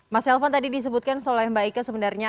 mas elvan tadi disebutkan seolah olah mbak ika sebenarnya